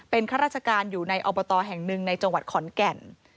เป็นข้าราชการอยู่ในอบตแห่งหนึ่งในจังหวัดขอนแก่น